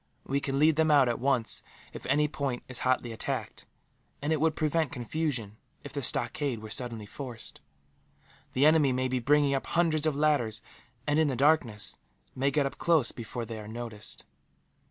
We can lead them out, at once, if any point is hotly attacked; and it would prevent confusion, if the stockade were suddenly forced. The enemy may be bringing up hundreds of ladders and, in the darkness, may get up close before they are noticed."